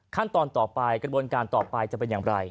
ขั้นตอนต่อไปกระบวนการต่อไปจะเป็นอย่างไร